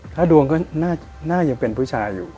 ถ้าดวงก็น่ายังเป็นผู้ชายอยู่